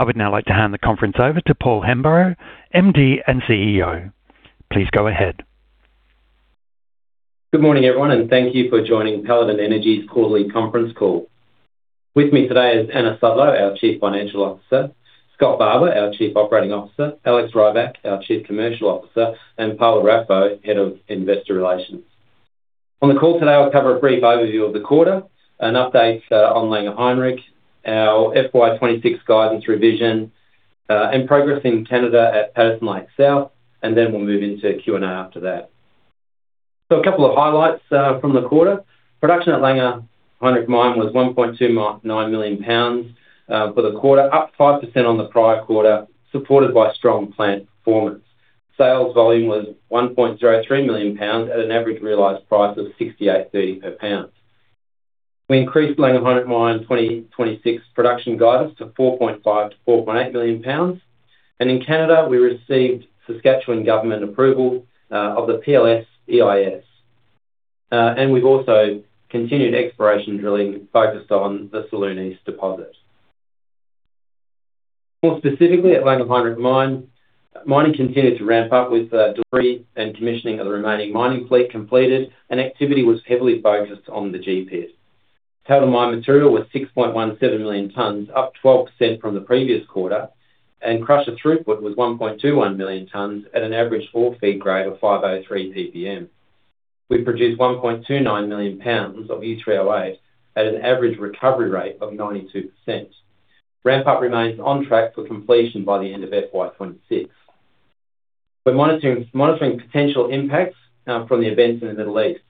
I would now like to hand the conference over to Paul Hemburrow, MD and CEO. Please go ahead. Good morning, everyone, and thank you for joining Paladin Energy's Quarterly Conference Call. With me today is Anna Sudlow, our Chief Financial Officer, Scott Barber, our Chief Operating Officer, Alex Rybak, our Chief Commercial Officer, and Paula Raffo, Head of Investor Relations. On the call today, I'll cover a brief overview of the quarter, an update on Langer Heinrich, our FY 2026 guidance revision, and progress in Canada at Patterson Lake South, and then we'll move into Q&A after that. A couple of highlights from the quarter. Production at Langer Heinrich Mine was 1.29 million lbs for the quarter, up 5% on the prior quarter, supported by strong plant performance. Sales volume was 1.03 million lbs at an average realized price of $68.30 per pound. We increased Langer Heinrich Mine 2026 production guidance to 4.5 million-4.8 million lbs, and in Canada, we received Saskatchewan government approval of the PLS EIS. We've also continued exploration drilling focused on the Saloon East deposit. More specifically, at Langer Heinrich Mine, mining continued to ramp up with delivery and commissioning of the remaining mining fleet completed, and activity was heavily focused on the G pit. Total mined material was 6.17 million tons, up 12% from the previous quarter, and crusher throughput was 1.21 million tons at an average ore feed grade of 503 ppm. We produced 1.29 million lbs of U3O8 at an average recovery rate of 92%. Ramp-up remains on track for completion by the end of FY 2026. We're monitoring potential impacts from the events in the Middle East.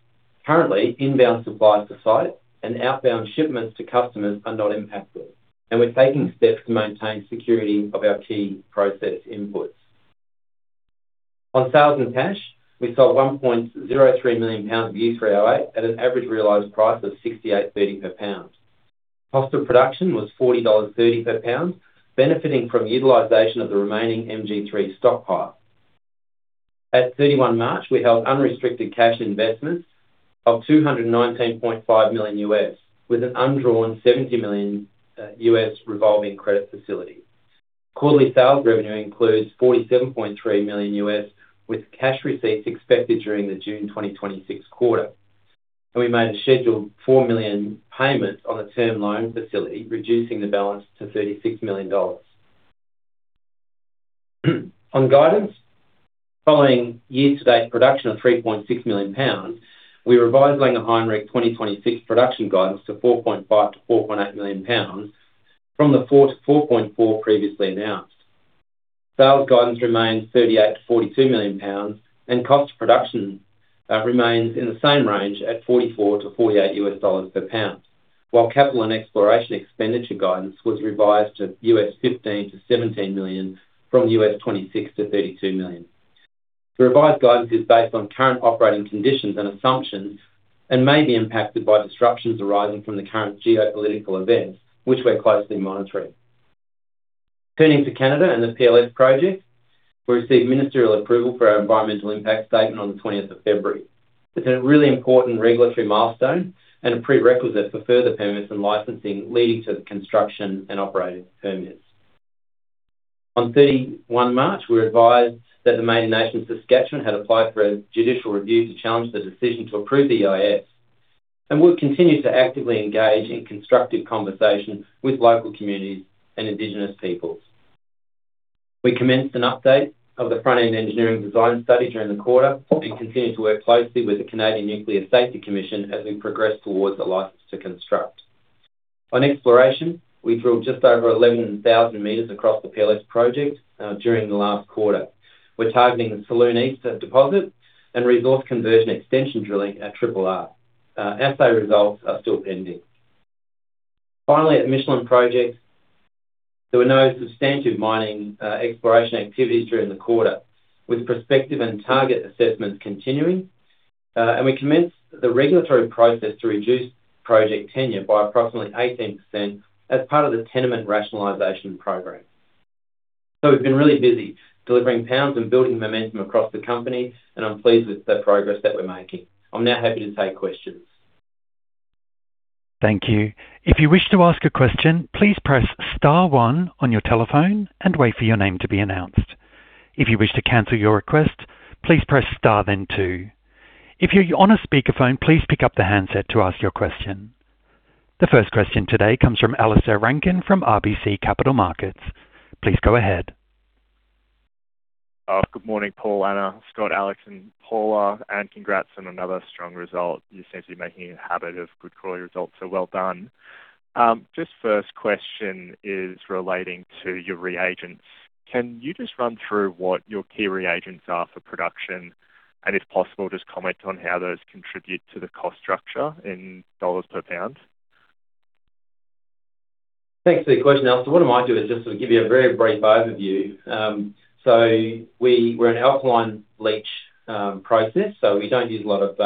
Currently, inbound supplies to site and outbound shipments to customers are not impacted, and we're taking steps to maintain security of our key process inputs. On sales and cash, we sold 1.03 million lbs of U3O8 at an average realized price of $68.30 per pound. Cost of production was $40.30 per pound, benefiting from utilization of the remaining MG3 stockpile. At March 31st, we held unrestricted cash investments of $219.5 million, with an undrawn $70 million revolving credit facility. Quarterly sales revenue includes $47.3 million, with cash receipts expected during the June 2026 quarter. We made a scheduled $4 million payment on the term loan facility, reducing the balance to $36 million. On guidance, following year-to-date production of 3.6 million lbs, we revised Langer Heinrich 2026 production guidance to 4.5 million-4.8 million lbs from the 4 million-4.4 million previously announced. Sales guidance remains 38 million-42 million lbs, and cost of production remains in the same range at $44-$48 per pound, while capital and exploration expenditure guidance was revised to $15 million-$17 million from $26 million-$ 32 million. The revised guidance is based on current operating conditions and assumptions and may be impacted by disruptions arising from the current geopolitical events, which we're closely monitoring. Turning to Canada and the PLS project, we received ministerial approval for our environmental impact statement on the February 20th. It's a really important regulatory milestone and a prerequisite for further permits and licensing, leading to the construction and operating permits. On March 31st, we were advised that the Métis Nation–Saskatchewan had applied for a judicial review to challenge the decision to approve the EIS, and we'll continue to actively engage in constructive conversations with local communities and indigenous peoples. We commenced an update of the front-end engineering design study during the quarter and continue to work closely with the Canadian Nuclear Safety Commission as we progress towards a license to construct. On exploration, we drilled just over 11,000 meters across the PLS project during the last quarter. We're targeting the Saloon East deposit and resource conversion extension drilling at Triple R. Assay results are still pending. Finally, at Michelin projects, there were no substantive mining exploration activities during the quarter, with prospective and target assessments continuing. We commenced the regulatory process to reduce project tenure by approximately 18% as part of the tenement rationalization program. We've been really busy delivering pounds and building momentum across the company, and I'm pleased with the progress that we're making. I'm now happy to take questions. The first question today comes from Alistair Rankin from RBC Capital Markets. Please go ahead. Good morning, Paul, Anna, Scott, Alex, and Paula, and congrats on another strong result. You seem to be making a habit of good quarterly results, so well done. Just first question is relating to your reagents. Can you just run through what your key reagents are for production, and if possible, just comment on how those contribute to the cost structure in dollars per pound? Thanks for your question, Alistair. What I might do is just sort of give you a very brief overview. We're an alkaline leach process, so we don't use a lot of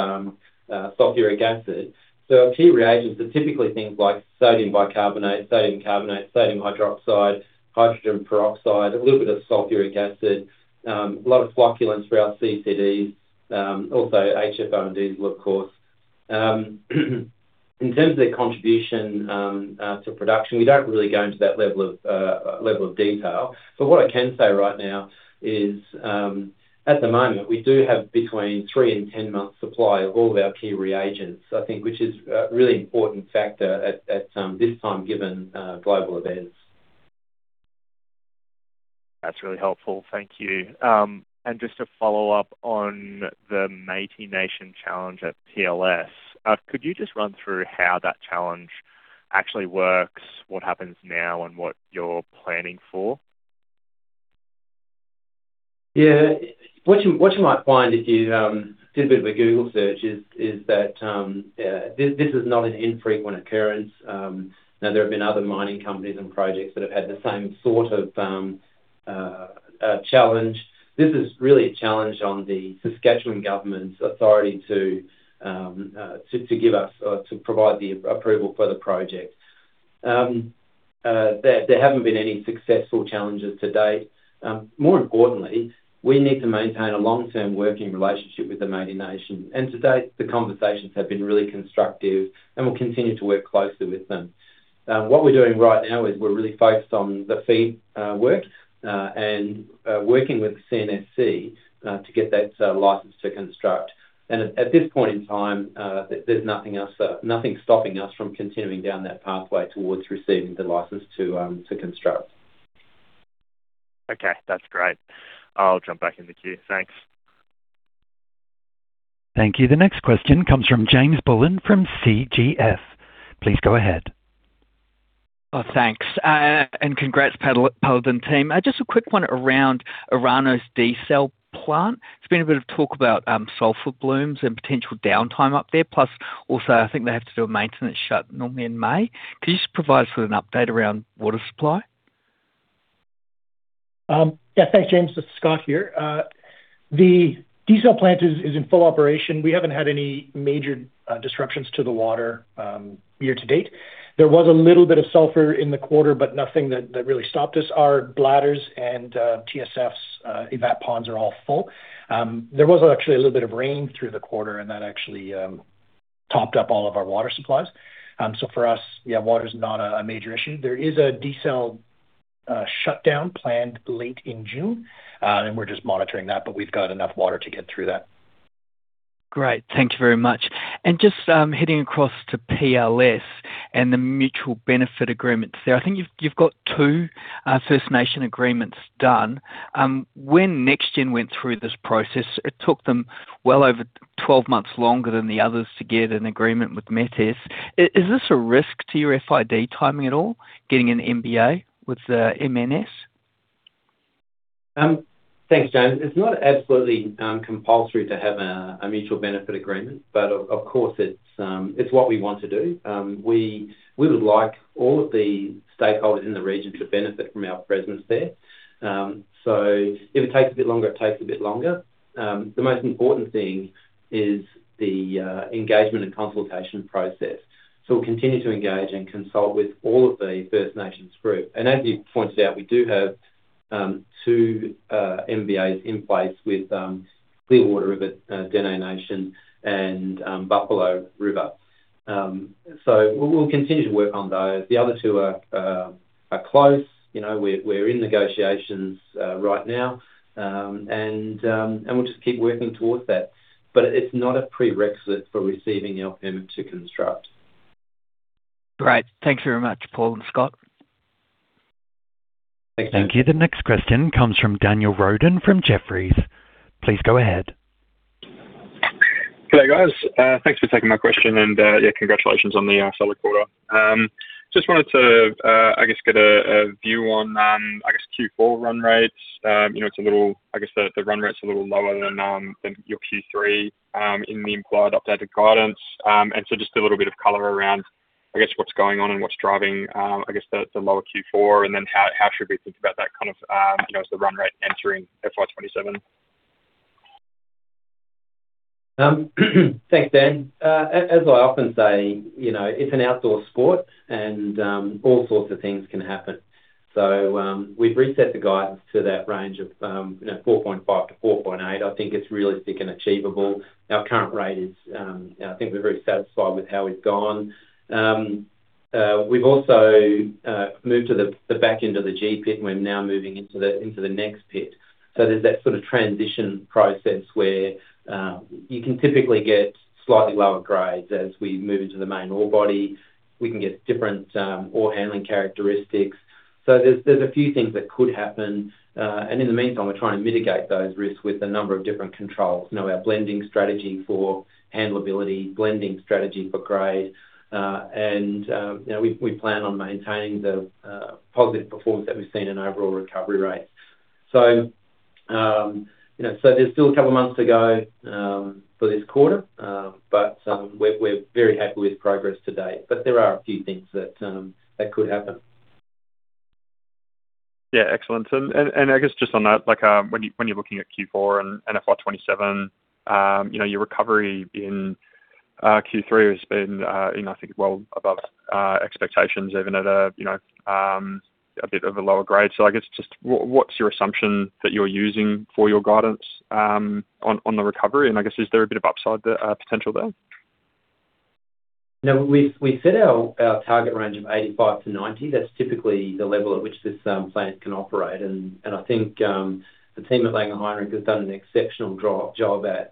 sulfuric acid. Our key reagents are typically things like sodium bicarbonate, sodium carbonate, sodium hydroxide, hydrogen peroxide, a little bit of sulfuric acid, a lot of flocculants for our CCDs. Also HFO and diesel, of course. In terms of their contribution to production, we don't really go into that level of detail. What I can say right now is, at the moment, we do have between three and 10 months' supply of all of our key reagents, I think, which is a really important factor at this time, given global events. That's really helpful. Thank you. Just to follow up on the Métis Nation challenge at PLS, could you just run through how that challenge actually works, what happens now, and what you're planning for? Yeah. What you might find if you did a bit of a Google search is that this is not an infrequent occurrence. Now, there have been other mining companies and projects that have had the same sort of challenge. This is really a challenge on the Saskatchewan government's authority to provide the approval for the project. There haven't been any successful challenges to date. More importantly, we need to maintain a long-term working relationship with the Métis Nation. To date, the conversations have been really constructive, and we'll continue to work closely with them. What we're doing right now is we're really focused on the FEED work and working with CNSC to get that license to construct. At this point in time, there's nothing stopping us from continuing down that pathway towards receiving the license to construct. Okay, that's great. I'll jump back in the queue. Thanks. Thank you. The next question comes from James Bullen from Canaccord Genuity. Please go ahead. Oh, thanks, and congrats, Paladin team. Just a quick one around Orano's Desalination Plant. There's been a bit of talk about sulfur blooms and potential downtime up there. Plus, also, I think they have to do a maintenance shut normally in May. Could you just provide us with an update around water supply? Yeah. Thanks, James. This is Scott here. The desal plant is in full operation. We haven't had any major disruptions to the water year to date. There was a little bit of sulfur in the quarter, but nothing that really stopped us. Our bladders and TSFs evap ponds are all full. There was actually a little bit of rain through the quarter, and that actually topped up all of our water supplies. For us, yeah, water's not a major issue. There is a desal shutdown planned late in June, and we're just monitoring that, but we've got enough water to get through that. Great. Thank you very much. Just heading across to PLS and the mutual benefit agreements there. I think you've got two First Nations agreements done. When NexGen went through this process, it took them well over 12 months longer than the others to get an agreement with Métis. Is this a risk to your FID timing at all, getting an MBA with MN-S? Thanks, James. It's not absolutely compulsory to have a mutual benefit agreement, but of course, it's what we want to do. We would like all of the stakeholders in the region to benefit from our presence there. If it takes a bit longer, it takes a bit longer. The most important thing is the engagement and consultation process. We'll continue to engage and consult with all of the First Nations group. As you pointed out, we do have two MBAs in place with Clearwater River Dene Nation and Buffalo River. We'll continue to work on those. The other two are close. We're in negotiations right now, and we'll just keep working towards that. It's not a prerequisite for receiving our permit to construct. Great. Thanks very much, Paul and Scott. Thanks. Thank you. The next question comes from Daniel Roden from Jefferies. Please go ahead. Good day, guys. Thanks for taking my question. Yeah, congratulations on the solid quarter. Just wanted to, I guess, get a view on, I guess, Q4 run rates. I guess the run rate's a little lower than your Q3 in the implied updated guidance. Just a little bit of color around, I guess, what's going on and what's driving, I guess, the lower Q4, and then how should we think about that kind of, the run rate entering FY 2027? Thanks, Dan. As I often say, it's an outdoor sport and all sorts of things can happen. We've reset the guidance to that range of 4.5-4.8. I think it's realistic and achievable. Our current rate is. I think we're very satisfied with how it's gone. We've also moved to the back end of the G pit, and we're now moving into the next pit. There's that sort of transition process where you can typically get slightly lower grades as we move into the main ore body. We can get different ore handling characteristics. There's a few things that could happen. In the meantime, we're trying to mitigate those risks with a number of different controls. Our blending strategy for handleability, blending strategy for grade. We plan on maintaining the positive performance that we've seen in overall recovery rates. There's still a couple of months to go for this quarter, but we're very happy with progress to date. There are a few things that could happen. Yeah. Excellent. I guess just on that, when you're looking at Q4 and FY 2027, your recovery in Q3 has been, I think, well above expectations, even at a bit of a lower grade. I guess just what's your assumption that you're using for your guidance on the recovery? I guess is there a bit of upside potential there? No, we set our target range of 85%-90%. That's typically the level at which this plant can operate. I think the team at Langer Heinrich has done an exceptional job at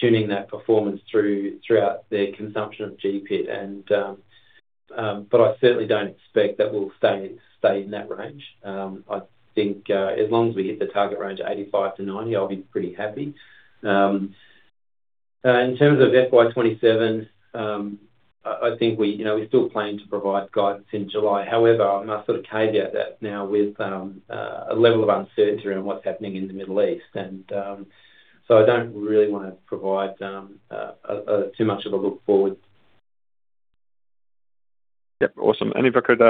tuning that performance throughout their consumption of G pit. I certainly don't expect that we'll stay in that range. I think, as long as we hit the target range of 85%-90%, I'll be pretty happy. In terms of FY 2027, I think we still plan to provide guidance in July. However, I must sort of caveat that now with a level of uncertainty on what's happening in the Middle East. I don't really want to provide too much of a look forward. Yep, awesome. If I could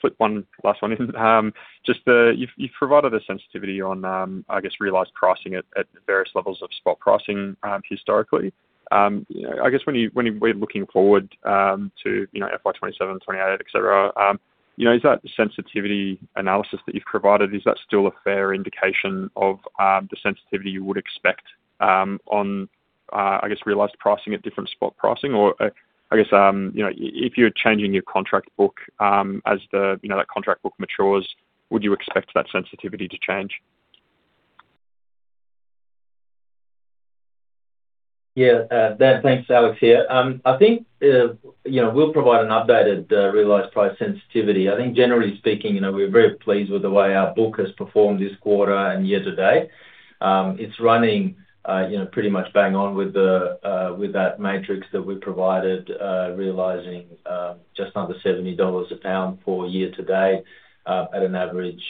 slip one last one in. You've provided a sensitivity on, I guess, realized pricing at various levels of spot pricing historically. I guess, when we're looking forward to FY 2027, 2028, et cetera, is that sensitivity analysis that you've provided, is that still a fair indication of the sensitivity you would expect on, I guess, realized pricing at different spot pricing? Or, I guess, if you're changing your contract book as that contract book matures, would you expect that sensitivity to change? Yeah. Thanks, Alex here. I think we'll provide an updated realized price sensitivity. I think generally speaking, we're very pleased with the way our book has performed this quarter and year to date. It's running pretty much bang on with that matrix that we provided, realizing just under $70 a pound for year to date at an average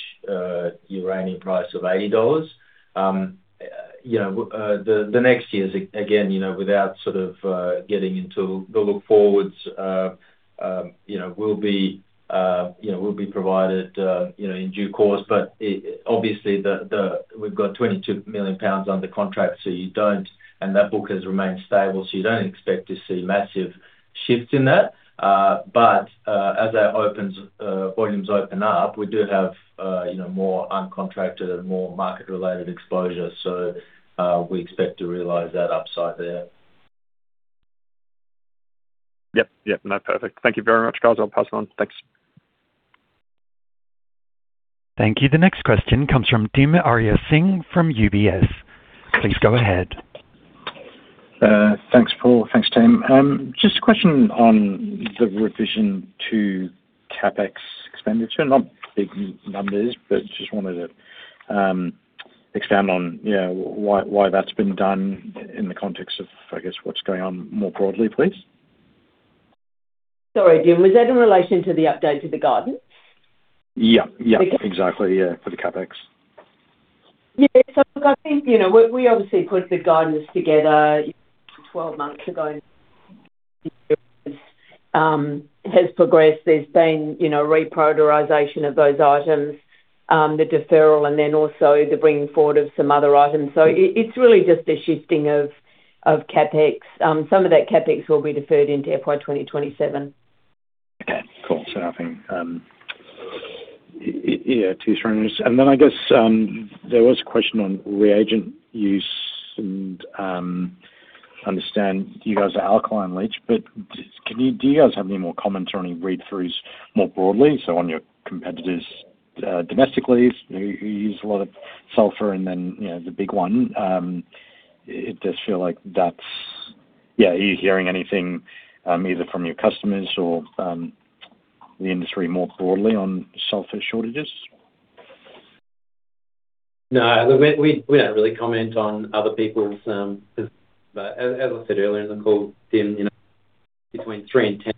uranium price of $80. The next years, again, without sort of getting into the look forwards, will be provided in due course. Obviously, we've got 22 million lbs under contract, and that book has remained stable, so you don't expect to see massive shifts in that. As volumes open up, we do have more uncontracted and more market-related exposure. We expect to realize that upside there. Yep. No, perfect. Thank you very much, guys. I'll pass it on. Thanks. Thank you. The next question comes from Dim Ariyasinghe from UBS. Please go ahead. Thanks, Paul. Thanks, Tim. Just a question on the revision to CapEx expenditure. Not big numbers, but just wanted to expand on why that's been done in the context of, I guess, what's going on more broadly, please. Sorry, Dim, was that in relation to the update to the guidance? Yeah. Exactly. For the CapEx. Yeah. Look, I think, we obviously put the guidance together 12 months ago. As it has progressed, there's been reprioritization of those items, the deferral and then also the bringing forward of some other items. It's really just a shifting of CapEx. Some of that CapEx will be deferred into FY 2027. Okay, cool. Nothing too strenuous. Then I guess, there was a question on reagent use and understand you guys are alkaline leach, but do you guys have any more comments or any read-throughs more broadly? On your competitors domestically who use a lot of sulfur and then the big one. It does feel like that's. Yeah, are you hearing anything, either from your customers or the industry more broadly on sulfur shortages? No. We don't really comment on other people's. As I said earlier in the call, Dim, between three and 10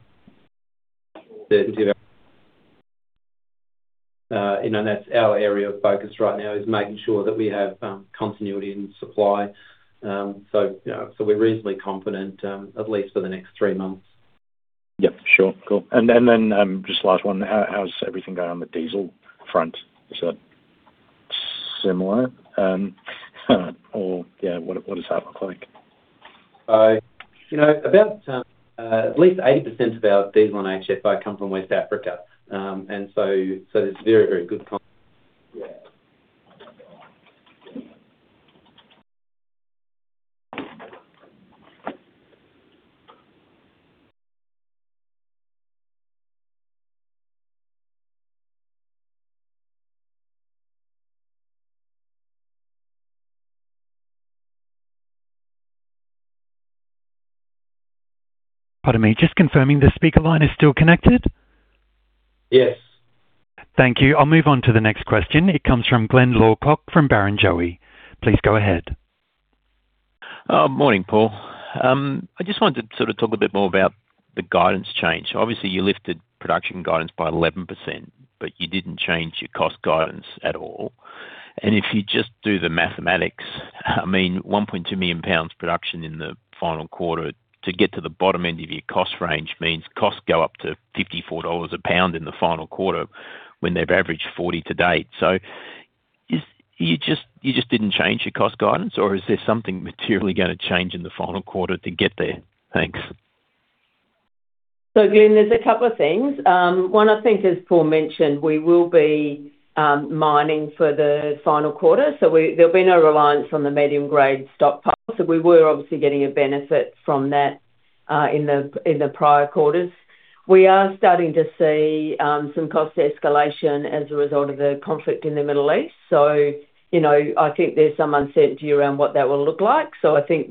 that's our area of focus right now is making sure that we have continuity and supply. We're reasonably confident, at least for the next three months. Yep, sure. Cool. Just last one. How's everything going on the diesel front? Is that similar? Or, yeah, what does that look like? About at least 80% of our diesel and HFO come from West Africa. There's very good con- Pardon me. Just confirming this speaker line is still connected? Yes. Thank you. I'll move on to the next question. It comes from Glyn Lawcock from Barrenjoey. Please go ahead. Morning, Paul. I just wanted to sort of talk a bit more about the guidance change. Obviously, you lifted production guidance by 11%, but you didn't change your cost guidance at all. If you just do the mathematics, I mean, 1.2 million lbs production in the final quarter to get to the bottom end of your cost range means costs go up to $54 a pound in the final quarter when they've averaged $40 to date. You just didn't change your cost guidance, or is there something materially gonna change in the final quarter to get there? Thanks. Glyn, there's a couple of things. One, I think as Paul mentioned, we will be mining for the final quarter. There'll be no reliance on the medium grade stockpile. We were obviously getting a benefit from that in the prior quarters. We are starting to see some cost escalation as a result of the conflict in the Middle East. I think there's some uncertainty around what that will look like. I think,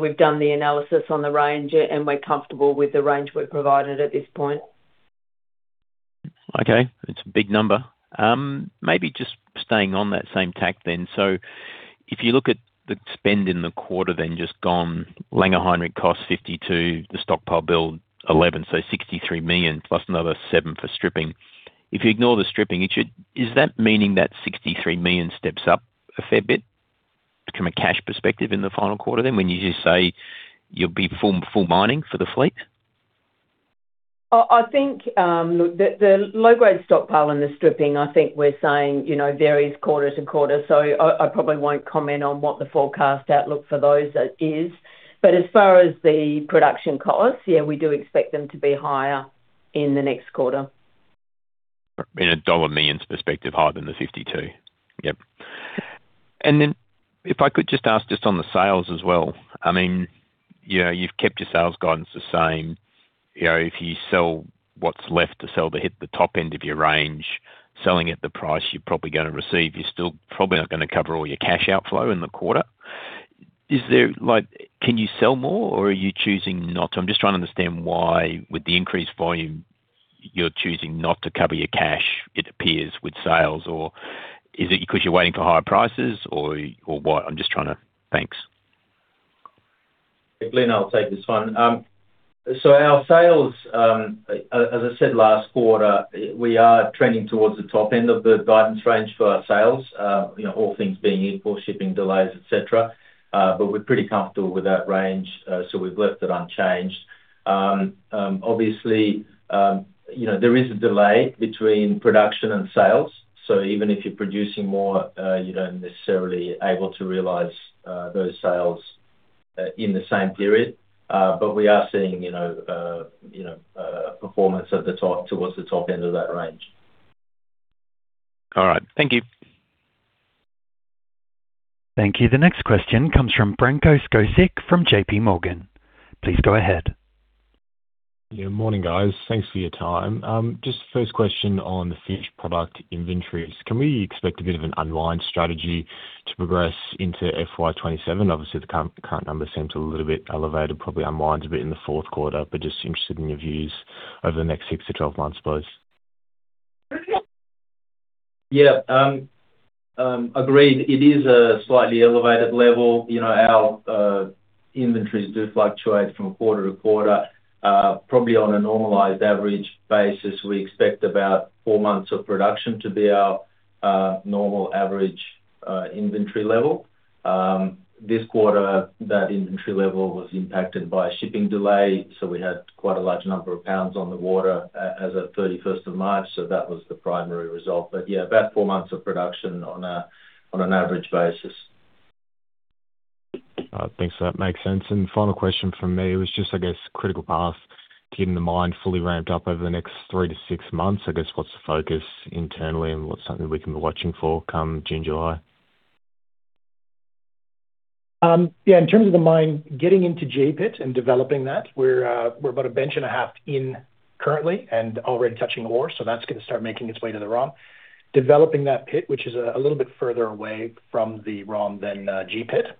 we've done the analysis on the range and we're comfortable with the range we've provided at this point. Okay. It's a big number. Maybe just staying on that same tack then. If you look at the spend in the quarter then just gone, Langer Heinrich cost $52 million, the stockpile build $11 million, so $63 million plus another $7 million for stripping. If you ignore the stripping, is that meaning that $63 million steps up a fair bit from a cash perspective in the final quarter then when you just say you'll be full mining for the fleet? I think, the low grade stockpile and the stripping, I think we're saying, varies quarter to quarter. I probably won't comment on what the forecast outlook for those is. As far as the production costs, yeah, we do expect them to be higher in the next quarter. In a millions dollars perspective, higher than $52 million. Yep. Then if I could just ask on the sales as well, you've kept your sales guidance the same. If you sell what's left to sell to hit the top end of your range, selling at the price you're probably going to receive, you're still probably not going to cover all your cash outflow in the quarter. Can you sell more or are you choosing not to? I'm just trying to understand why with the increased volume you're choosing not to cover your cash, it appears, with sales. Or is it because you're waiting for higher prices or what? I'm just trying. Thanks. Glyn, I'll take this one. Our sales, as I said last quarter, we are trending towards the top end of the guidance range for our sales, all things being equal, shipping delays, et cetera. We're pretty comfortable with that range, so we've left it unchanged. Obviously, there is a delay between production and sales, so even if you're producing more, you don't necessarily able to realize those sales, in the same period. We are seeing performance at the top, towards the top end of that range. All right. Thank you. Thank you. The next question comes from Branko Skocic from JPMorgan. Please go ahead. Yeah. Morning, guys. Thanks for your time. Just first question on the finished product inventories. Can we expect a bit of an unwind strategy to progress into FY 2027? Obviously, the current number seems a little bit elevated, probably unwinds a bit in the fourth quarter, but just interested in your views over the next six to 12 months, please. Yeah. Agreed. It is a slightly elevated level. Our inventories do fluctuate from quarter to quarter. Probably on a normalized average basis, we expect about four months of production to be our normal average inventory level. This quarter, that inventory level was impacted by a shipping delay, so we had quite a large number of pounds on the water as at March 31st, so that was the primary result. Yeah, about four months of production on an average basis. Thanks. That makes sense. Final question from me was just, I guess, critical path keeping the mine fully ramped up over the next three to six months. I guess what's the focus internally and what's something we can be watching for come June, July? Yeah. In terms of the mine, getting into J-pit and developing that, we're about a bench and a half in currently and already touching ore. That's going to start making its way to the ROM. Developing that pit, which is a little bit further away from the ROM than G-pit,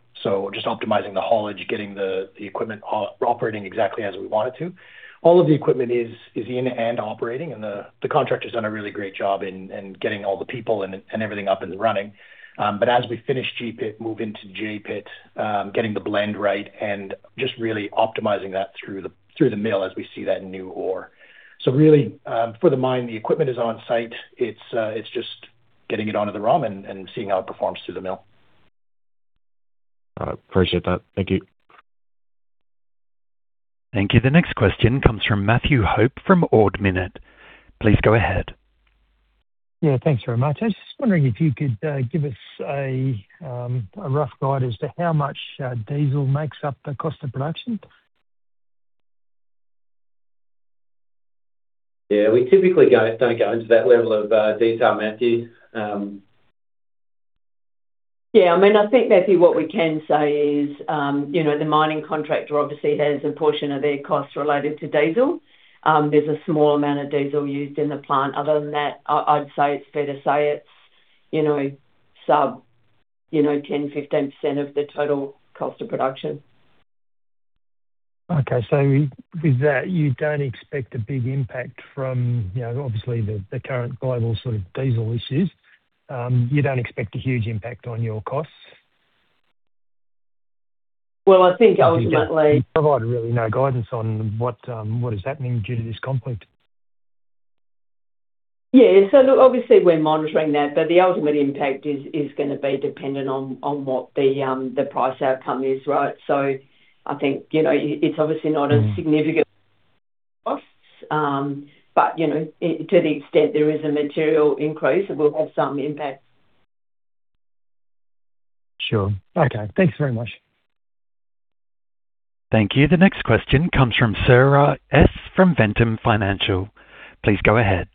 just optimizing the haulage, getting the equipment operating exactly as we want it to. All of the equipment is in and operating and the contractor's done a really great job in getting all the people and everything up and running. As we finish G-pit, move into J-pit, getting the blend right and just really optimizing that through the mill as we see that new ore. Really, for the mine, the equipment is on site. It's just getting it onto the ROM and seeing how it performs through the mill. All right. Appreciate that. Thank you. Thank you. The next question comes from Matthew Hope from Ord Minnett. Please go ahead. Yeah. Thanks very much. I was just wondering if you could give us a rough guide as to how much diesel makes up the cost of production. Yeah. We typically don't go into that level of detail, Matthew. Yeah. I think, Matthew, what we can say is, the mining contractor obviously has a portion of their costs related to diesel. There's a small amount of diesel used in the plant. Other than that, I'd say it's fair to say it's sub 10%, 15% of the total cost of production. Okay. With that, you don't expect a big impact from, obviously the current global diesel issues. You don't expect a huge impact on your costs? Well, I think ultimately. You provided really no guidance on what is happening due to this conflict. Yeah. Look, obviously we're monitoring that, but the ultimate impact is going to be dependent on what the price outcome is, right? I think, it's obviously not a significant costs. To the extent there is a material increase, it will have some impact. Sure. Okay. Thanks very much. Thank you. The next question comes from Surya S. from Ventum Financial. Please go ahead.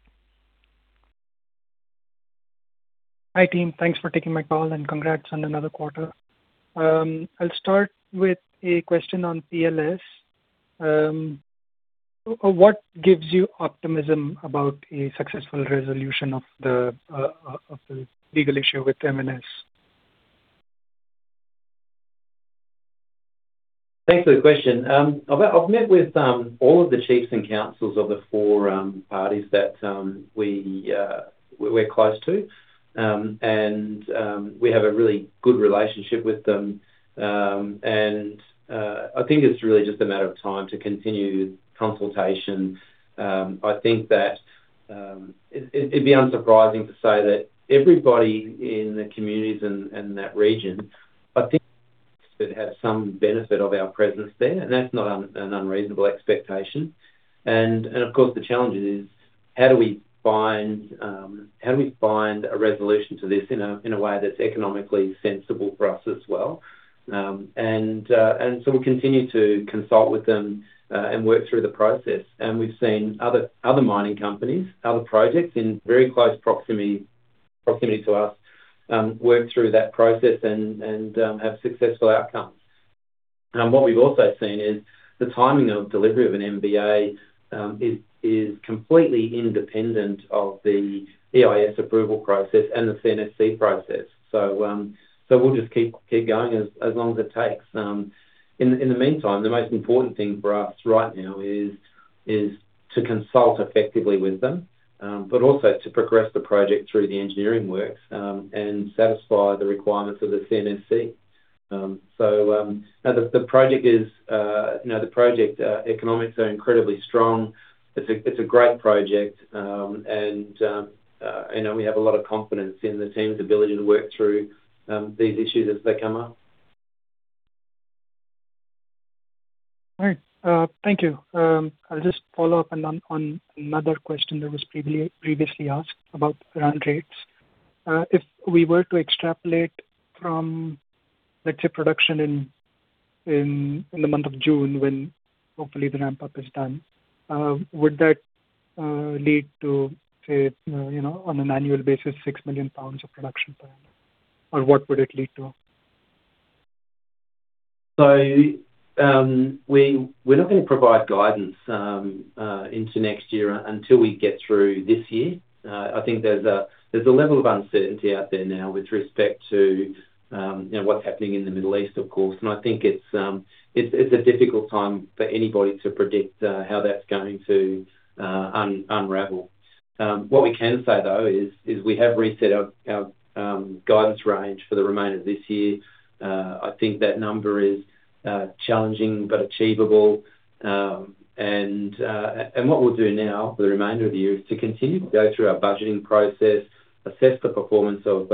Hi, team. Thanks for taking my call, and congrats on another quarter. I'll start with a question on PLS. What gives you optimism about a successful resolution of the legal issue with MN-S? Thanks for the question. I've met with all of the chiefs and councils of the four parties that we're close to. We have a really good relationship with them. I think it's really just a matter of time to continue consultation. I think that it'd be unsurprising to say that everybody in the communities in that region, I think, could have some benefit of our presence there, and that's not an unreasonable expectation. Of course, the challenge is, how do we find a resolution to this in a way that's economically sensible for us as well? We'll continue to consult with them and work through the process. We've seen other mining companies, other projects in very close proximity to us work through that process and have successful outcomes What we've also seen is the timing of delivery of an MBA is completely independent of the EIS approval process and the CNSC process. We'll just keep going as long as it takes. In the meantime, the most important thing for us right now is to consult effectively with them, but also to progress the project through the engineering works and satisfy the requirements of the CNSC. The project economics are incredibly strong. It's a great project, and we have a lot of confidence in the team's ability to work through these issues as they come up. All right. Thank you. I'll just follow up on another question that was previously asked about ramp rates. If we were to extrapolate from, let's say, production in the month of June, when hopefully the ramp-up is done, would that lead to, say, on an annual basis, 6 million lbs of production per annum? Or what would it lead to? We're not going to provide guidance into next year until we get through this year. I think there's a level of uncertainty out there now with respect to what's happening in the Middle East, of course, and I think it's a difficult time for anybody to predict how that's going to unravel. What we can say, though, is we have reset our guidance range for the remainder of this year. I think that number is challenging but achievable. What we'll do now for the remainder of the year is to continue to go through our budgeting process, assess the performance of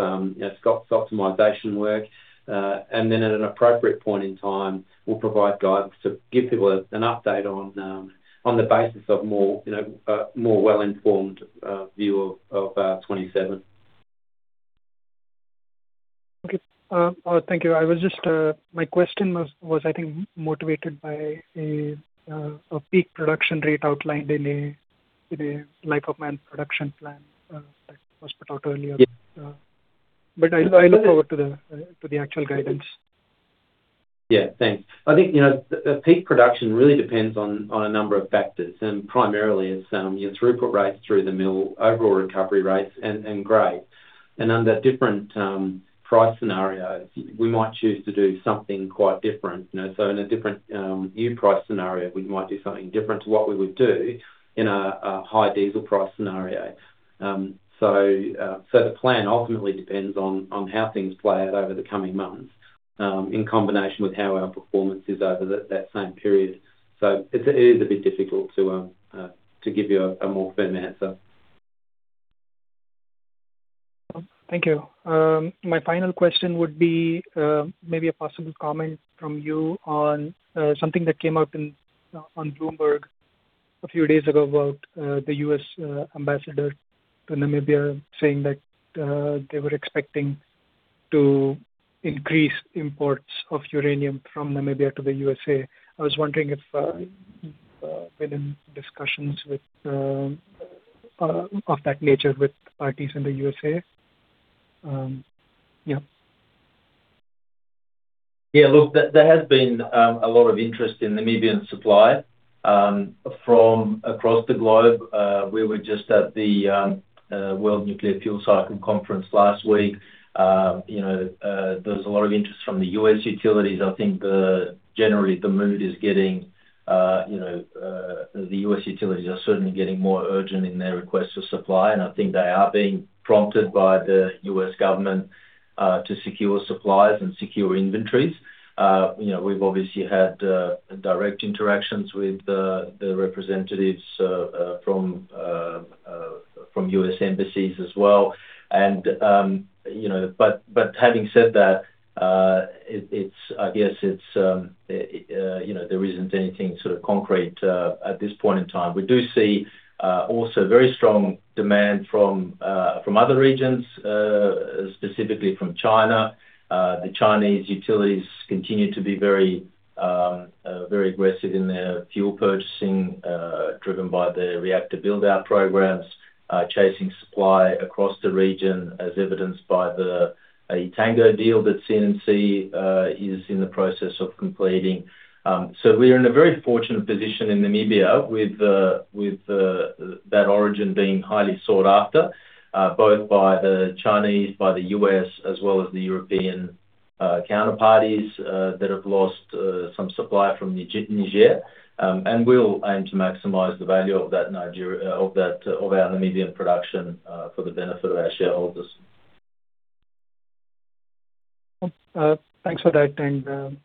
Scott's optimization work, and then at an appropriate point in time, we'll provide guidance to give people an update on the basis of a more well-informed view of 2027. Okay. Thank you. My question was, I think, motivated by a peak production rate outlined in a life-of-mine production plan that was put out earlier. Yeah. I look forward to the actual guidance. Yeah. Thanks. I think, peak production really depends on a number of factors, and primarily it's your throughput rates through the mill, overall recovery rates, and grade. Under different price scenarios, we might choose to do something quite different. In a different year price scenario, we might do something different to what we would do in a high diesel price scenario. The plan ultimately depends on how things play out over the coming months in combination with how our performance is over that same period. It is a bit difficult to give you a more firm answer. Thank you. My final question would be maybe a possible comment from you on something that came up on Bloomberg a few days ago about the U.S. ambassador to Namibia saying that they were expecting to increase imports of uranium from Namibia to the USA. I was wondering if you've been in discussions of that nature with parties in the USA. Yeah. Yeah, look, there has been a lot of interest in Namibian supply from across the globe. We were just at the World Nuclear Fuel Cycle Conference last week. There's a lot of interest from the U.S. utilities. I think the U.S. utilities are certainly getting more urgent in their request for supply, and I think they are being prompted by the U.S. government to secure supplies and secure inventories. We've obviously had direct interactions with the representatives from U.S. embassies as well. Having said that, I guess, there isn't anything concrete at this point in time. We do see also very strong demand from other regions, specifically from China. The Chinese utilities continue to be very aggressive in their fuel purchasing, driven by their reactor build-out programs, chasing supply across the region, as evidenced by the Etango deal that CNNC is in the process of completing. We're in a very fortunate position in Namibia with that origin being highly sought after, both by the Chinese, by the U.S., as well as the European counterparties that have lost some supply from Niger. We'll aim to maximize the value of our Namibian production for the benefit of our shareholders. Thanks for that, and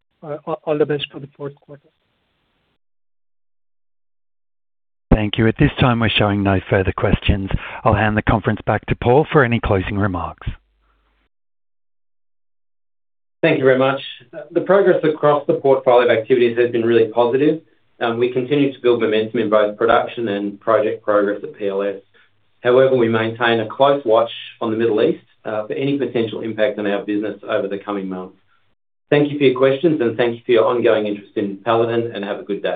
all the best for the fourth quarter. Thank you. At this time, we're showing no further questions. I'll hand the conference back to Paul for any closing remarks. Thank you very much. The progress across the portfolio of activities has been really positive. We continue to build momentum in both production and project progress at PLS. However, we maintain a close watch on the Middle East for any potential impact on our business over the coming months. Thank you for your questions, and thank you for your ongoing interest in Paladin, and have a good day.